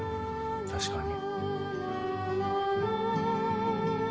確かに。